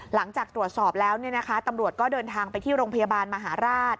หลังจากตรวจสอบแล้วตำรวจก็เดินทางไปที่โรงพยาบาลมหาราช